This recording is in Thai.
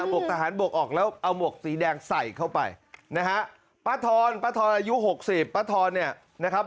หกทหารบกออกแล้วเอาหมวกสีแดงใส่เข้าไปนะฮะป้าทอนป้าทอนอายุหกสิบป้าทอนเนี่ยนะครับ